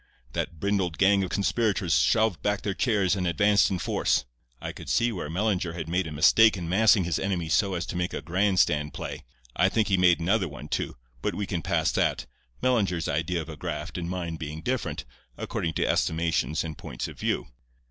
"That brindled gang of conspirators shoved back their chairs and advanced in force. I could see where Mellinger had made a mistake in massing his enemy so as to make a grand stand play. I think he made another one, too; but we can pass that, Mellinger's idea of a graft and mine being different, according to estimations and points of view.